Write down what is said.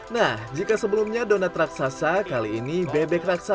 nah jika sebelumnya donat raksasa kali ini bebek raksasa